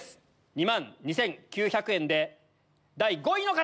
２万２９００円で第５位の方！